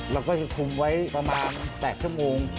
เราก็จะคุมไว้ประมาณ๘ชั่วโมง